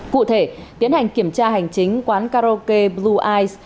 cụ thể tiến hành kiểm tra hành chính quán karaoke blue eyes